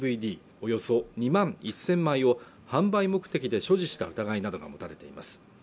およそ２万１０００枚を販売目的で所持した疑いなどが持たれています